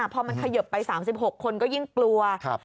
พอมันเขยิบไป๓๖คนก็ยิ่งกลัว